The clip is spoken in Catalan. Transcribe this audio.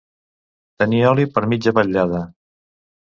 Tenir oli per mitja vetllada.